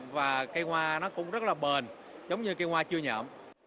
và cây hoa nó cũng rất là bền giống như cây hoa chưa nhậm